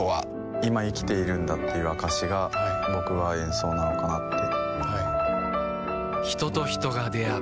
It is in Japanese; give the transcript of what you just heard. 今生きているんだっていう証しが僕は演奏なのかなってはい人と人が出会う